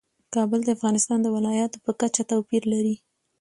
کابل د افغانستان د ولایاتو په کچه توپیر لري.